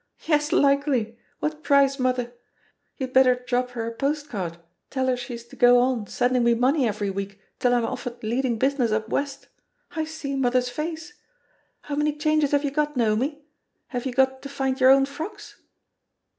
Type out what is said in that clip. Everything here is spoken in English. "Yes, likely I What price mother? You'd THE POSITION OF PEGGY HARPER 7S better drop her a postcard, tell her she*s to go on sending me money every week till I'm offered leading business up West. I see mother's face! How many changes have you got, Naomi? have you got to find your own frocks?'